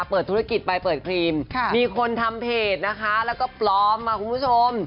เปิดธุรกิจไปเปิดครีมมีคนทำเพจนะคะแล้วก็ปลอมมาคุณผู้ชม